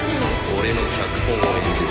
「俺の脚本を演じろ」